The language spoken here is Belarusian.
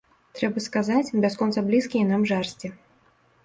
Трэба сказаць, бясконца блізкія нам жарсці.